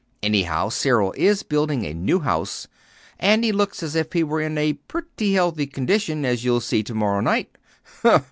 Anyhow, Cyril is building a new house, and he looks as if he were in a pretty healthy condition, as you'll see to morrow night."